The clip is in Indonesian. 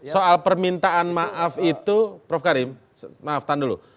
soal permintaan maaf itu prof karim maaf tahan dulu